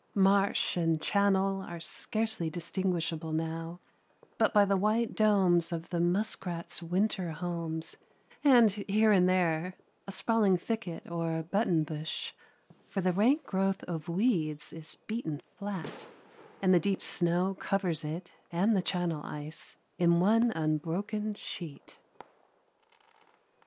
Marsh and channel are scarcely distinguishable now but by the white domes of the muskrats' winter homes and here and there a sprawling thicket or button bush, for the rank growth of weeds is beaten flat, and the deep snow covers it and the channel ice in one unbroken sheet.